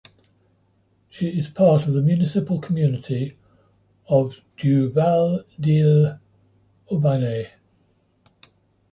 She is part of the municipal community of du Val d’Ille-Aubigné.